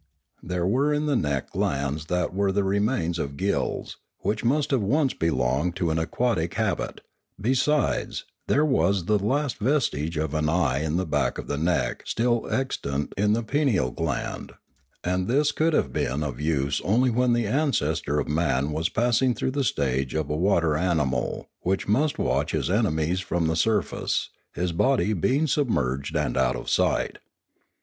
There were in the neck glands that were the remains of gills, which must have once belonged to an aquatic habit; besides, there was the last vestige of an eye in the back of the neck still extant in the pineal gland, and this could have been of use only when the ancestor of man was passing through the stage of a water animal which must watch his enemies from the surface, his body being submerged and out of sight.